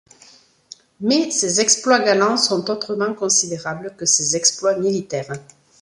Mais ses exploits galants sont autrement considérables que ses exploits militaires.